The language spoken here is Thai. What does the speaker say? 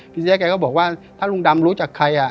พี่เสียแกก็บอกว่าถ้าลุงดำรู้จากใครอะ